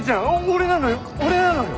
俺なのよ俺なのよ！